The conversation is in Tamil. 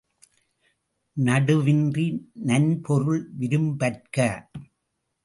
நடுவின்றி நன்பொருள் விரும்பற்க!